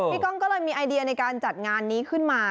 กล้องก็เลยมีไอเดียในการจัดงานนี้ขึ้นมา